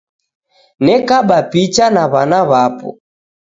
Nekaba picha na w'ana w'apo